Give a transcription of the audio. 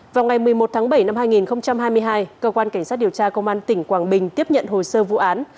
vào ngày một mươi một tháng bảy năm hai nghìn hai mươi hai cơ quan cảnh sát điều tra công an tỉnh quảng bình tiếp nhận hồ sơ vụ án